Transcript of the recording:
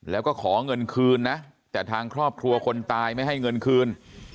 แล้วก็ขอเงินคืนนะแต่ทางครอบครัวคนตายไม่ให้เงินคืน